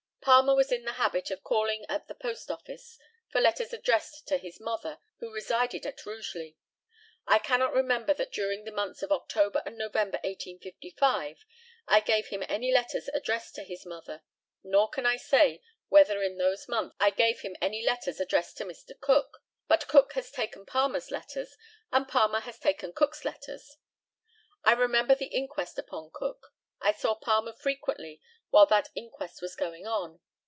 Palmer was in the habit of calling at the post office for letters addressed to his mother, who resided at Rugeley. I cannot remember that during the months of October and November, 1855, I gave him any letters addressed to his mother; nor can I say whether in those months I gave him any letters addressed to Mr. Cook; but Cook has taken Palmer's letters, and Palmer has taken Cook's letters. I remember the inquest upon Cook. I saw Palmer frequently while that inquest was going on.